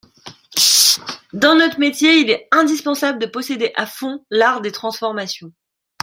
Dans notre métier, il est indispensable de posséder à fond l'art des transformations.